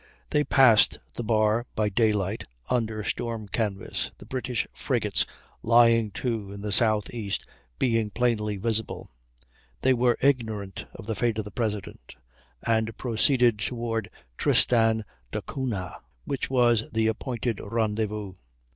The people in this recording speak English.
They passed the bar by daylight, under storm canvas, the British frigates lying to in the southeast being plainly visible. They were ignorant of the fate of the President, and proceeded toward Tristan d'Acunha, which was the appointed rendezvous.